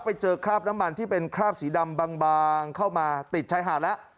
ไปเจอคราบน้ำมันที่เป็นคราบสีดำบางเข้ามาติดชายหาดแล้ว